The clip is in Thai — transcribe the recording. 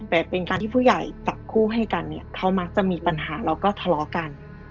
แต่เป็นการที่ผู้ใหญ่จับคู่ให้กันเนี่ยเขามักจะมีปัญหาแล้วก็ทะเลาะกัน